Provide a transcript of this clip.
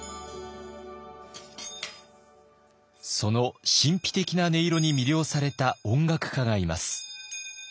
その神秘的な音色に魅了された音楽家がいます。